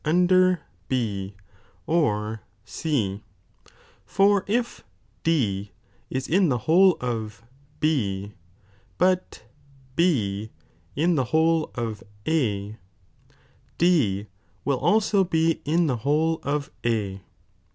under B or C, for if D is in the whole of B, but B in tlie whole of A, D will al3o be in the whole of A.